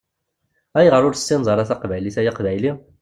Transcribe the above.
Ayɣeṛ ur tessineḍ ara taqbaylit ay aqbayli?